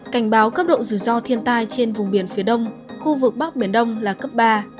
cảnh báo cấp độ rủi ro thiên tai trên vùng biển phía đông khu vực bắc biển đông là cấp ba